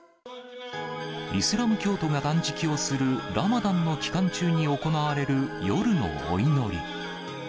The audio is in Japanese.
イスラム教徒が断食をする、ラマダンの期間中に行われる夜のお祈り。